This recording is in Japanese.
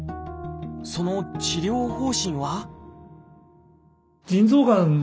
その治療方針は？